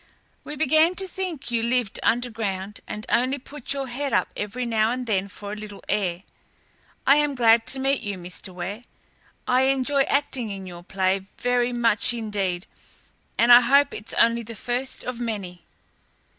"We began to think you lived underground and only put your head up every now and then for a little air. I am glad to meet you, Mr. Ware. I enjoy acting in your play very much indeed, and I hope it's only the first of many."